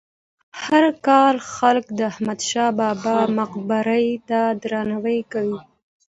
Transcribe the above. هر کال خلک د احمد شاه بابا مقبرې ته درناوی کوي.